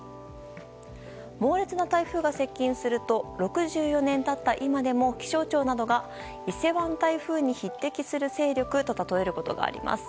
猛烈な台風が接近すると６４年経った今でも気象庁などが伊勢湾台風に匹敵する勢力と例えることがあります。